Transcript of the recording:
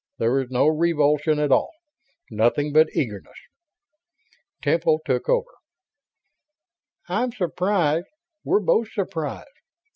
There was no revulsion at all. Nothing but eagerness. Temple took over. "I'm surprised. We're both surprised.